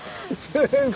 先生。